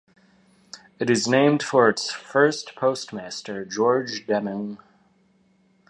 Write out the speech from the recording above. It is named for its first postmaster, George Deming.